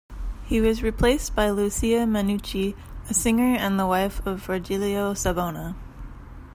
He was replaced by Lucia Mannucci, a singer and the wife of Virgilio Savona.